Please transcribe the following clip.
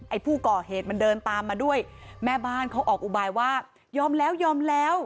ผู้ก่อเหตุมันเดินตามมาด้วยแม่บ้านเขาออกอุบายว่ายอมแล้วยอมแล้ว